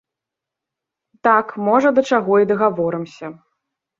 Так, можа, да чаго і дагаворымся.